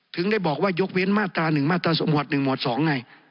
ถึงได้บอกว่ายกเว้นมาตราหนึ่งมาตราหมวดหนึ่งหมวดสองไง